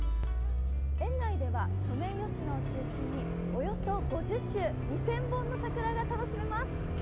園内ではソメイヨシノを中心におよそ５０種２０００本の桜が楽しめます。